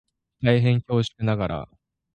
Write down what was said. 大変恐縮ながら